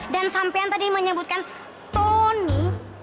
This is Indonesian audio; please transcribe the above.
dan sampean tadi menyebutkan tony